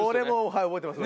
はい覚えてます。